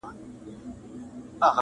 چا چي کړی په چاپلوس باندي باور دی،